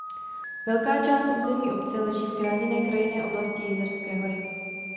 Velká část území obce leží v Chráněné krajinné oblasti Jizerské hory.